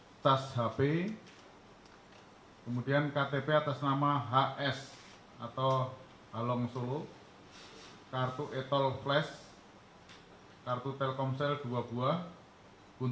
lengkap ada yang matem matem termasuk ada senjata dan pelurunya